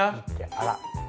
あら。